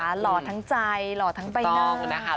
หล่อทั้งใจหล่อทั้งใบหน้า